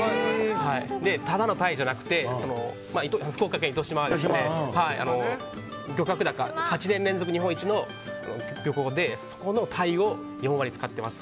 ただの鯛じゃなくて福岡県糸島で漁獲高８年連続日本一の漁港でそこの鯛を４割使っています。